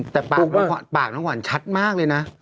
แต่ปากน้องขวัญชัดมากเลยนะ